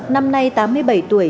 năm nay tám mươi bảy tuổi